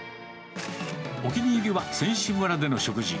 お気に入りは、選手村での食事。